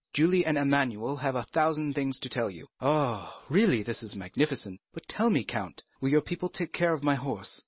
Julie and Emmanuel have a thousand things to tell you. Ah, really this is magnificent! But tell me, count, will your people take care of my horse?"